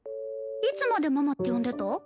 いつまで「ママ」って呼んでた？